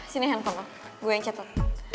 sini handphone lo gue yang catur